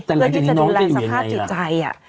เพื่อที่จะดูแลสภาพจิตใจ